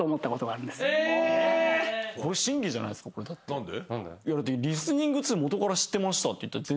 何で？